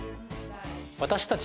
私たち